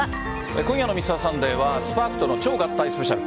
今夜の「Ｍｒ．サンデー」は「Ｓ‐ＰＡＲＫ」との超合体スペシャル。